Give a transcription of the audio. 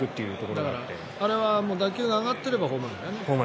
だから、あれは打球が上がってればホームランだよね。